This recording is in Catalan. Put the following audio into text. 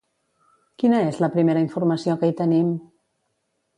Quina és la primera informació que hi tenim?